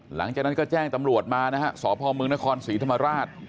หลังจากนั้นก็แจ้งตำรวจมานะฮะสพมนครศรีธรรมราช